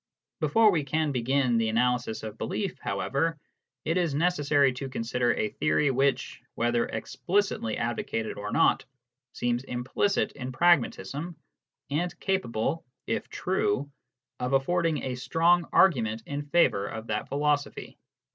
Before we can begin the analysis of belief, however, it is necessary to consider a theory which, whether explicitly advocated or not, seems implicit in pragmatism, and capable, if true, of affording a strong argument in favour of that philo sophy.